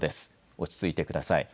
落ち着いてください。